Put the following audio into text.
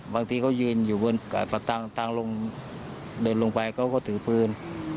บางทีเขายืนอยู่บนสตางค์ลงเดินลงไปเขาก็ถือปืน